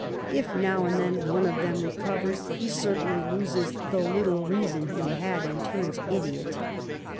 If now and then one of them recovers, he certainly loses the little reason he had and turns idiot."